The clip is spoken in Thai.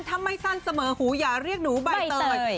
ถ้าไม่สั้นเสมอหูอย่าเรียกหนูใบเตย